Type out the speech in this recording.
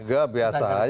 enggak biasa aja